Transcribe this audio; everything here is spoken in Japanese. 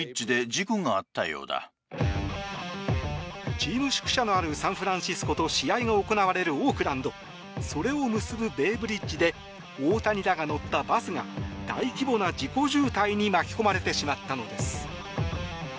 チーム宿舎のあるサンフランシスコと試合が行われるオークランドそれを結ぶベイブリッジで大谷らが乗ったバスが大規模な事故渋滞に巻き込まれてしまったのです。